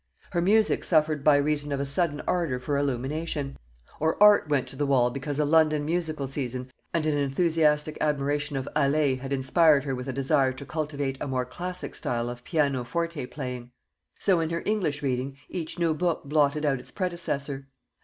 Her music suffered by reason of a sudden ardour for illumination; or art went to the wall because a London musical season and an enthusiastic admiration of Hallé had inspired her with a desire to cultivate a more classic style of pianoforte playing. So in her English reading, each new book blotted out its predecessor.